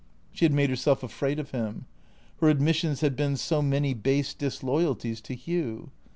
She had made herself afraid of him. Her admissions had been so many base disloyalties to Hugh.